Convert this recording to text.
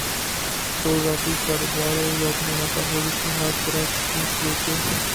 تو ذاتی کاروبار اور ذاتی منافع خوری سے ہاتھ ذرا کھینچ لیتے۔